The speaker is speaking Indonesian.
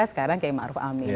sekarang kayak ma'ruf amin